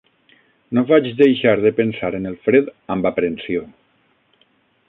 No vaig deixar de pensar en el fred amb aprensió